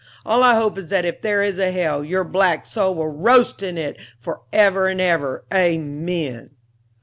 All I hope is that if there is a hell, your black soul will roast in it for ever and ever, amen!"